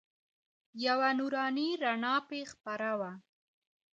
یوه نوراني رڼا پرې خپره وه.